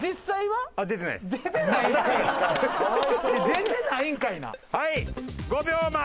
はい５秒前。